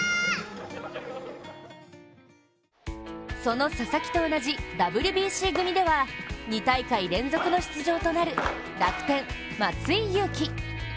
その佐々木と同じＷＢＣ組では２大会連続の出場となる楽天・松井裕樹。